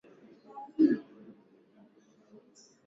wataalamu wanaweza kuandaa maonesho wakitumia lugha ya wazi